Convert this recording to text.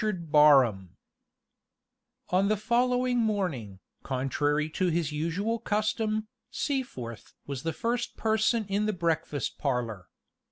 On the following morning, contrary to his usual custom, Seaforth was the first person in the breakfast parlor.